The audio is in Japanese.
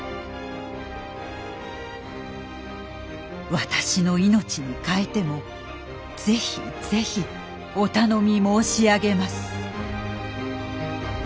「私の命に代えても是非是非お頼み申し上げます」。